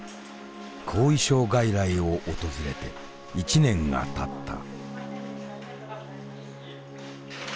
後遺症外来を訪れて１年がたった。